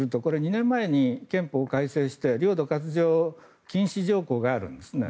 ２年前に憲法改正して領土割譲禁止条項があるんですね。